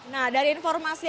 nah dari informasi